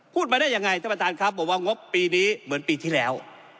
พูดมาได้ยังไงท่านประธานครับบอกว่างบปีนี้เหมือนปีที่แล้ว